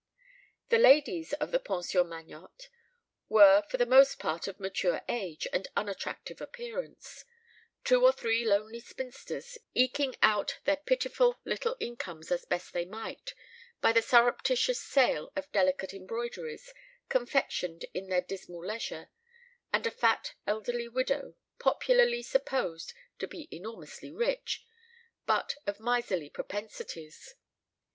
The ladies of the Pension Magnotte were for the most part of mature age and unattractive appearance two or three lonely spinsters, eking out their pitiful little incomes as best they might, by the surreptitious sale of delicate embroideries, confectioned in their dismal leisure; and a fat elderly widow, popularly supposed to be enormously rich, but of miserly propensities.